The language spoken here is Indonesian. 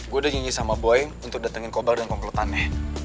gue udah nyanyi sama boy untuk datengin kobar dan komplotannya